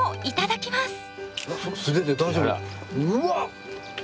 うわっ！